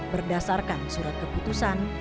berdasarkan surat keputusan